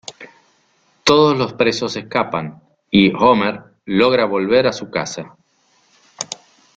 Todos los presos escapan y Homer logra volver a su casa.